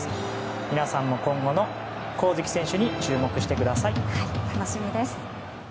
皆さんも、今後の上月選手に注目してください。